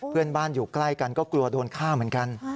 เพื่อนบ้านอยู่ใกล้กันก็กลัวโดนฆ่าเหมือนกัน